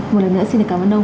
một lần nữa xin cảm ơn ông